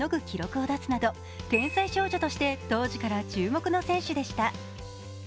記録を出すなど天才少女として当時から注目の選手でした。